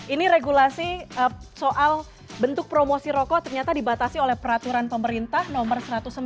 ini regulasi soal bentuk promosi rokok ternyata dibatasi oleh peraturan pemerintah nomor satu ratus sembilan puluh